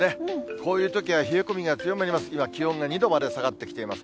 こういうときは冷え込みが強まります。